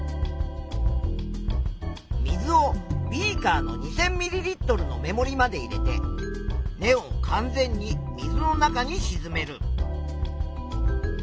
水をビーカーの２，０００ミリリットルの目もりまで入れて根を完全に水の中にしずめる。